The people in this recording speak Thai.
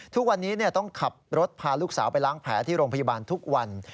ทุกวันนี้ต้องขับรถพาลูกสาวไปล้างแผลที่โรงพยาบาลทุกวัน